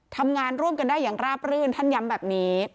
ทำงานร่วมกันได้อย่างราบรื่นท่านย้ำแบบนี้